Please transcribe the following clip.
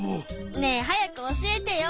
ねえ早く教えてよ。